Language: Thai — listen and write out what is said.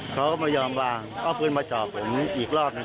เขาก็ไม่ยอมวางเอาปืนมาจอบผมอีกรอบหนึ่ง